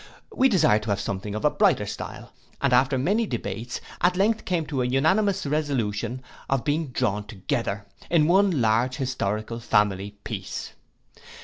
We desired to have something in a brighter style, and, after many debates, at length came to an unanimous resolution of being drawn together, in one large historical family piece.